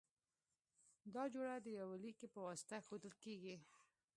دا جوړه د یوه لیکي په واسطه ښودل کیږی.